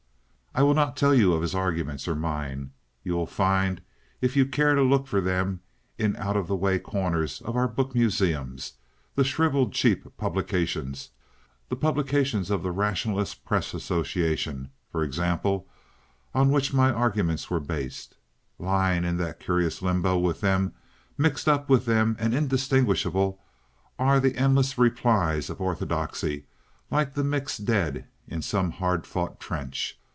.... I will not tell you of his arguments or mine. You will find if you care to look for them, in out of the way corners of our book museums, the shriveled cheap publications—the publications of the Rationalist Press Association, for example—on which my arguments were based. Lying in that curious limbo with them, mixed up with them and indistinguishable, are the endless "Replies" of orthodoxy, like the mixed dead in some hard fought trench.